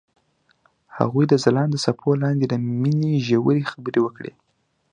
هغوی د ځلانده څپو لاندې د مینې ژورې خبرې وکړې.